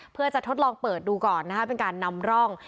เพื่อจะทดลองเปิดดูก่อนนะคะเป็นการนำร่อง